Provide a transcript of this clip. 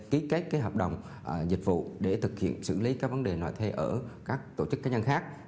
ký kết hợp đồng dịch vụ để thực hiện xử lý các vấn đề nợ thuê ở các tổ chức cá nhân khác